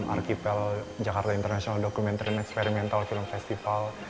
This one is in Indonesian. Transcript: arkipel jakarta international documentary and experimental film festival